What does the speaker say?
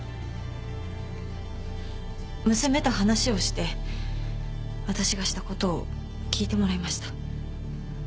娘と話をして私がしたことを聞いてもらいました。